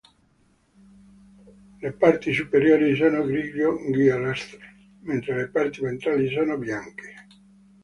Le parti superiori sono grigio-giallastre, mentre le parti ventrali sono bianche.